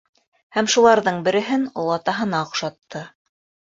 Һәм шуларҙың береһен... олатаһына оҡшатты.